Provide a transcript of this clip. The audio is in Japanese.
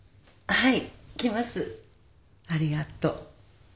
はい。